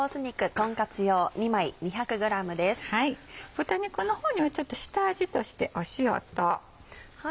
豚肉の方にはちょっと下味として塩と。